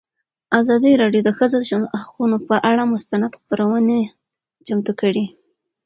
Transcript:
ازادي راډیو د د ښځو حقونه پر اړه مستند خپرونه چمتو کړې.